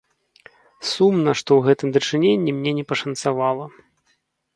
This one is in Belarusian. Сумна, што ў гэтым дачыненні мне не пашанцавала.